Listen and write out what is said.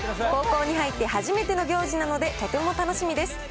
高校に入って、初めての行事なので、とても楽しみです。